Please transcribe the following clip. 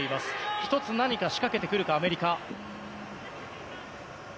１つ、何か仕掛けてくるかアメリカ。